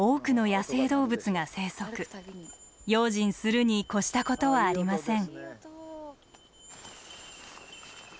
用心するに越したことはありません。